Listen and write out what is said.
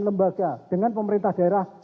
lembaga dengan pemerintah daerah